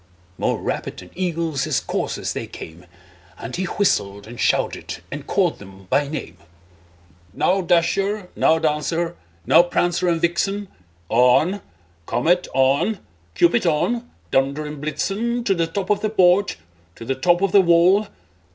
More rapid than eagles his coursers they came, And he whistled, and shouted, and called them by name; "Now, Dasher! now, Dancer! now, Prancer and Vixen! On! Comet, on! Cupid, on! Dunder and Blitzen To the top of the porch, to the top of the wall!